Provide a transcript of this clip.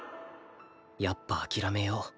やっぱ諦めよう